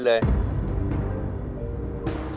ไม่เคยได้ยินเลย